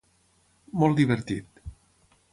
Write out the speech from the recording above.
Molt divertit.